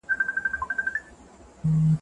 دوی به د خپل دین لپاره جنګېدل.